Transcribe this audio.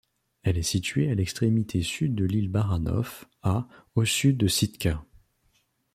Elle est située à l'extrémité sud de l'île Baranof, à au sud de Sitka.